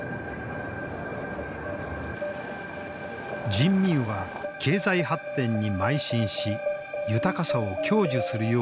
人民は経済発展にまい進し豊かさを享受するようになった。